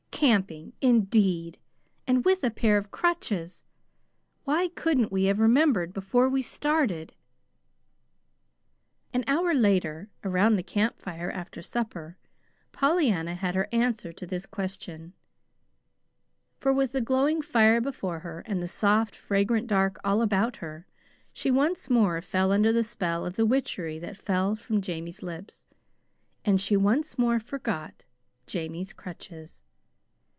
Camping, indeed! and with a pair of crutches! Why couldn't we have remembered before we started?" An hour later, around the camp fire after supper, Pollyanna had her answer to this question; for, with the glowing fire before her, and the soft, fragrant dark all about her, she once more fell under the spell of the witchery that fell from Jamie's lips; and she once more forgot Jamie's crutches.